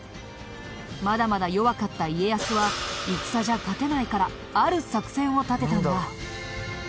まだまだ弱かった家康は戦じゃ勝てないからある作戦を立てたんだ。